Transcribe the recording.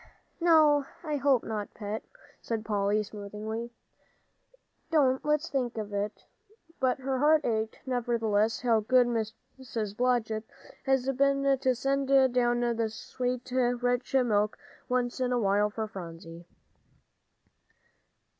"No, I hope not, Pet," said Polly, soothingly. "Don't let's think of it," but her heart ached, nevertheless. How good Mrs. Blodgett had been to send down that sweet, rich milk, once in a while, for Phronsie.